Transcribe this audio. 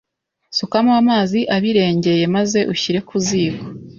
sukamo amazi abirengeye maze ushyire ku ziko